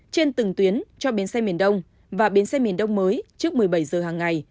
trên từng tuyến cho bến xe miền đông và bến xe miền đông mới trước một mươi bảy giờ hàng ngày